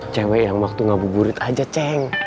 cewek yang waktu ngabuburit aja ceng